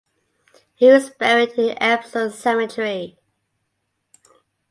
He is buried in Epsom cemetery.